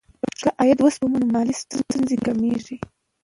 که ښځه عاید وسپموي، نو مالي ستونزې کمېږي.